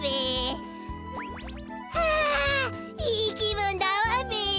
あいいきぶんだわべ！